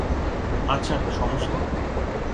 আচ্ছা, সমস্যা নেই।